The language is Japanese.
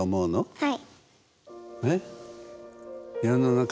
はい。